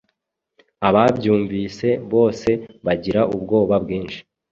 ababyumvise bose bagira ubwoba bwinshi.”